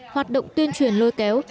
hoạt động tuyên truyền lôi kéo